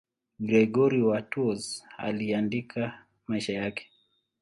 Gregori wa Tours aliandika maisha yake.